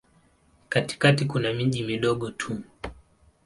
Katikati kuna miji midogo tu.